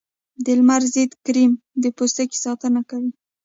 د لمر ضد کریم د پوستکي ساتنه کوي